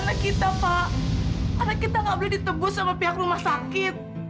anak kita nggak boleh ditebus sama pihak rumah sakit